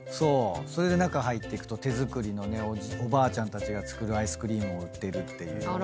それで中入ってくと手作りのねおばあちゃんたちが作るアイスクリームを売ってるっていう。